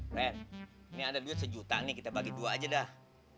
plan ini ada duit sejuta nih kita bagi dua aja dah